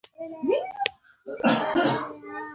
عصبي سیستم د اندوکراین په پرتله چټک دی